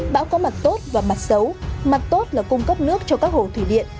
bão có mặt tốt và mặt xấu mặt tốt là cung cấp nước cho các hồ thủy điện